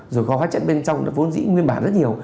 rồi hóa chất bên trong vốn dĩ nguyên bản rất nhiều